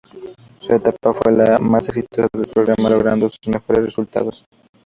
Su etapa fue la más exitosa del programa, logrando sus mejores resultados.